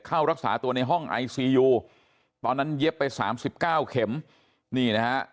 เข้ารักษาตัวในห้องไอซียูตอนนั้นเย็บไปสามสิบเก้าเข็มนี่นะฮะ